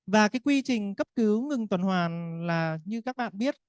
và cái quy trình cấp cứu ngừng tuần hoàn là như các bạn biết